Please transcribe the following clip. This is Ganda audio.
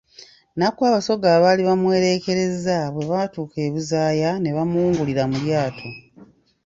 Nnaku Abasoga abaali bamuwereekereza bwe baatuuka e Buzaaya ne bamuwungulira mu lyato.